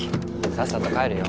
さっさと帰るよ。